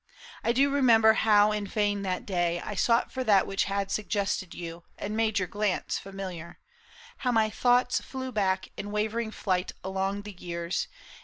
I do remember how in vain that day I sought for that which had suggested you And made your glance familiar ; how my thoughts Flew back in wavering flight along the years.